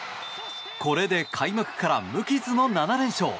これで開幕から無傷の７連勝！